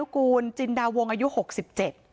ปล่อยละครับ